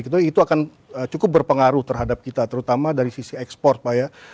jadi itu akan cukup berpengaruh terhadap kita terutama dari sisi ekspor pak ya